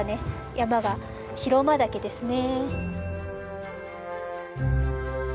山が白馬岳ですね。